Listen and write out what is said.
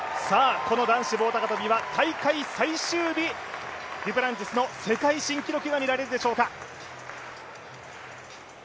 この男子棒高跳は大会最終日、デュプランティスの世界新記録が見られるでしょうか。